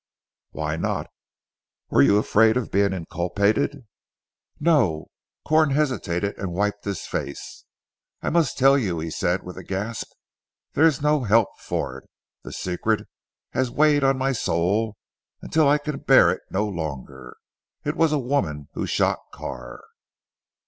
"Why not? Were you afraid of being inculpated?" "No." Corn hesitated and wiped his face. "I must tell you," he said with a gasp, "there is no help for it! This secret has weighed on my soul until I can bear it no longer. It was a woman who shot Carr."